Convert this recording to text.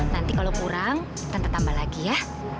nanti kalau kurang tante tambah lagi ya